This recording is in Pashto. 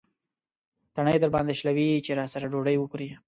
تڼۍ درباندې شلوي چې راسره ډوډۍ وخورې.